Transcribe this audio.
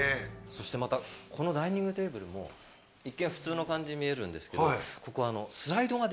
そしてまたこのダイニングテーブルも一見普通の感じに見えるんですけどここ。